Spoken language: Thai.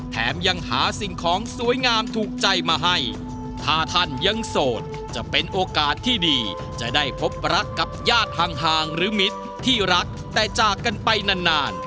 แถมยังหาสิ่งของสวยงามถูกใจมาให้ถ้าท่านยังโสดจะเป็นโอกาสที่ดีจะได้พบรักกับญาติห่างหรือมิตรที่รักแต่จากกันไปนานนาน